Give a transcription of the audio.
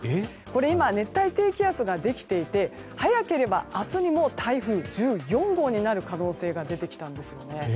今、熱帯低気圧ができていて早ければ明日にも台風１４号になる可能性が出てきたんですよね。